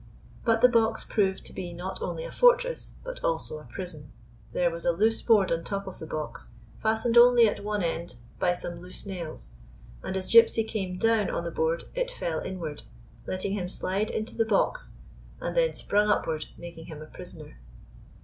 But the box proved to be not only a fortress but also a prison. There was a loose board on top of the box, fastened only at one end by some loose nails; and as Gypsy came down ©n the board it fell inward, letting him slide into the box, and then sprung upward, making him a prisoner.